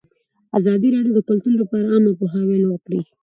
ازادي راډیو د کلتور لپاره عامه پوهاوي لوړ کړی.